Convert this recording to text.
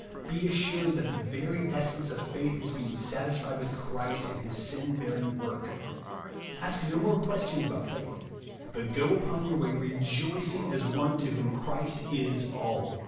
Be assured that the very essence of faith is being satisfied with Christ and his sin bearing work ; ask no more questions about faith ,but go upon your way rejoicing, as one to whom Christ is all.